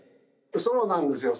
そうなんですよ。